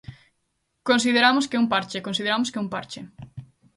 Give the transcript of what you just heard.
Consideramos que é un parche, consideramos que é un parche.